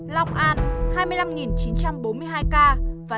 lòng an hai mươi năm chín trăm bốn mươi hai ca